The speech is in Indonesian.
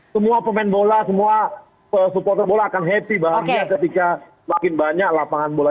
semua pemain bola semua supporter bola akan happy bahagia ketika makin banyak lapangan bola